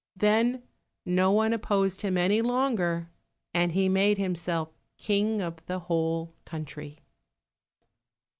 Then no one opposed him any longer, and he made himself King of the whole country.